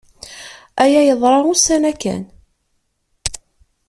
Aya yeḍra ussan-a kan.